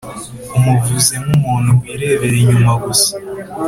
umuvuze nkumuntu wirebera inyuma gusa